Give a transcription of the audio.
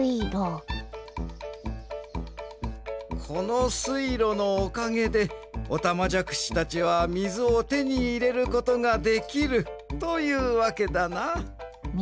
このすいろのおかげでおたまじゃくしたちはみずをてにいれることができるというわけだな。